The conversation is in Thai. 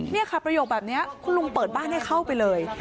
นี่ค่ะประโยคแบบนี้คุณลุงเปิดบ้านให้เข้าไปเลย